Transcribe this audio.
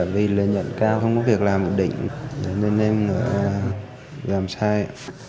vì lợi nhuận cao không có việc làm ổn định nên em làm sai